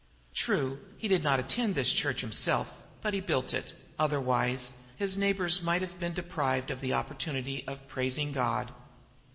True, he did not attend this church himself, but he built it; otherwise his neighbors might have been deprived of the opportunity of praising God.